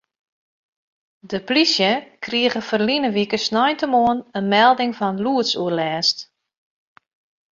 De polysje krige ferline wike sneintemoarn in melding fan lûdsoerlêst.